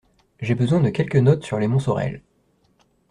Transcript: J’ai besoin de quelques notes sur les Montsorel.